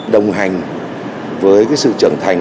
đồng hành với sự trưởng thành